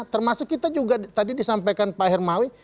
termasuk kita juga tadi disampaikan pak hermawi